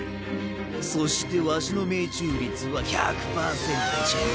そしてワシの命中率は１００％じゃ。